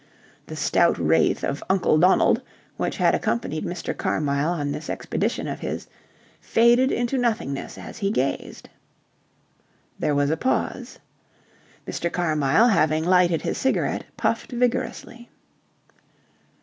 The stout wraith of Uncle Donald, which had accompanied Mr. Carmyle on this expedition of his, faded into nothingness as he gazed. There was a pause. Mr. Carmyle, having lighted his cigarette, puffed vigorously.